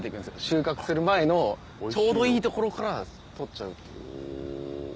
収穫する前のちょうどいいところから取っちゃうっていう。